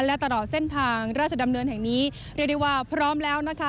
และตลอดเส้นทางราชดำเนินแห่งนี้เรียกได้ว่าพร้อมแล้วนะคะ